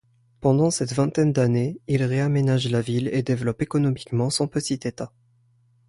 Pendant cette vingtaine d'années, il réaménage la ville et développe économiquement son petit État.